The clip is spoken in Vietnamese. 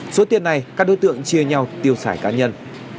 số tiền này các đối tượng chia nhau tiêu xài cá nhân